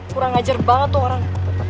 kurang ajar banget tuh orang